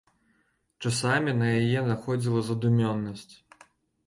Часамі на яе находзіла задумёнасць.